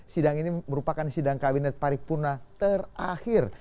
sidang ini merupakan sidang kabinet paripurna terakhir